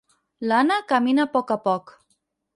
L'Anna camina a poc a poc.